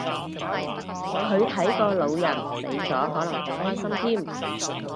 佢睇個老人死咗可能好開心添